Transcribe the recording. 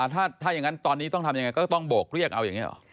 ถ้าอย่างนั้นตอนนี้ต้องทำยังไงก็ต้องโบกเรียกเอาอย่างนี้หรอ